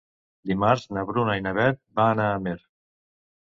Dimarts na Bruna i na Beth van a Amer.